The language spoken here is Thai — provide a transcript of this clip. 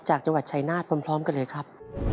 จากจังหวัดชายนาฏพร้อมกันเลยครับ